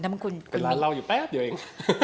เป็นร้านเราอยู่แป๊บเดี๋ยวเอง